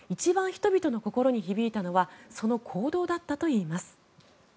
人々の心に響いたのはその行動だったといいます。